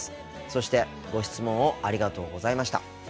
そしてご質問をありがとうございました。